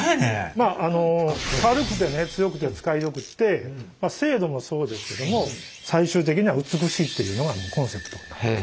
まあ軽くてね強くて使いよくって精度もそうですけども最終的には美しいっていうのがコンセプトになってます。